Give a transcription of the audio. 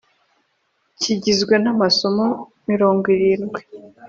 Kigizwe n’amasomo mirongo irindwi.